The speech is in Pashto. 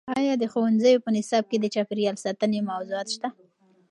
ایا د ښوونځیو په نصاب کې د چاپیریال ساتنې موضوعات شته؟